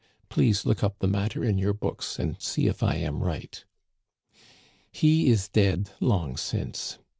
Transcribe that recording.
Please look up the matter in your books and see if I am right* " He is dead long since.